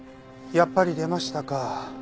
やっぱり出ましたか。